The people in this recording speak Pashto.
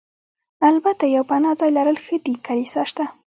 البته یو پناه ځای لرل ښه دي، کلیسا شته.